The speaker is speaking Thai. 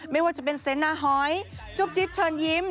ไม่ว่าจะเป็นเสนาหอยจุ๊บจิ๊บเชิญยิ้ม